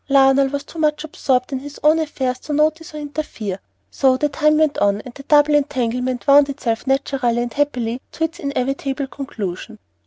Lionel was too much absorbed in his own affairs to notice or interfere; so the time went on, and the double entanglement wound itself naturally and happily to its inevitable conclusion.